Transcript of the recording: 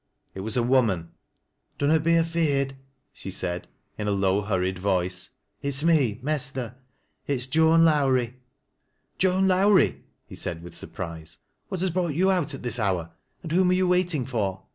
It was a woman. " Dunnot be afeard," she said, in a low, hurried voice. " It's me, mester — it's Joan Lowrie." " Joan Lowrie !" he said with surprise. " What has brought you out at this hour, and whom are you waiting for?"